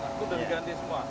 itu sudah diganti semua